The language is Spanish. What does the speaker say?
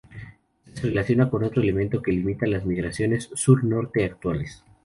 Esto se relaciona con otro elemento que limita las migraciones Sur-Norte actuales.